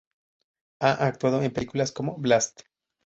Ha actuado en películas como "Blast!